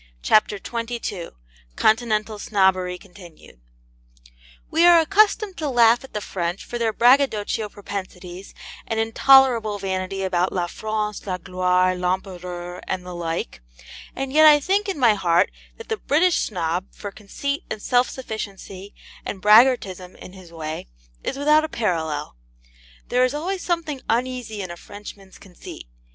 CHAPTER XXII CONTINENTAL SNOBBERY CONTINUED We are accustomed to laugh at the French for their braggadocio propensities, and intolerable vanity about La France, la gloire, l'Empereur, and the like; and yet I think in my heart that the British Snob, for conceit and self sufficiency and braggartism in his way, is without a parallel. There is always something uneasy in a Frenchman's conceit.